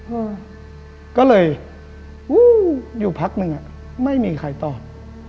เออก็เลยวู้อยู่พักนึงอะไม่มีใครตอบ